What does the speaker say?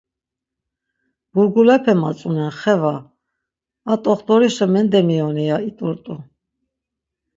Burgulepe matzunen Xeva, a t̆oxt̆orişa mendemiyoni, ya it̆urt̆u.